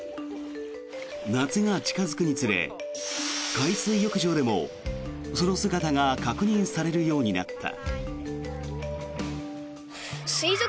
夏が近付くにつれ海水浴場でも、その姿が確認されるようになった。